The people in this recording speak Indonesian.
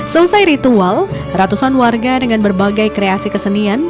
selesai ritual ratusan warga dengan berbagai kreasi kesenian